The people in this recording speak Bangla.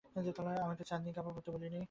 আমি তো চাঁদনির কাপড় পরতে বলি নে।